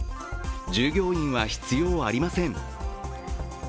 従業員は必要ありません。